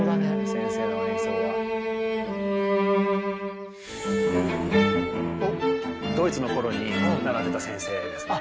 先生の演奏は。ドイツの頃に習ってた先生ですね。